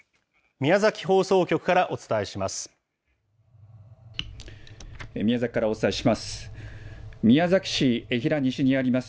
宮崎からお伝えします。